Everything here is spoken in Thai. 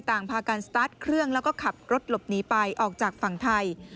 ต่างพากันสตาร์ทเครื่องแล้วก็ขับรถหลบหนีไปออกจากฝั่งไทย